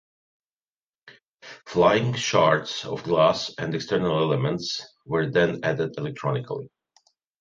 Flying shards of glass and external elements were then added electronically.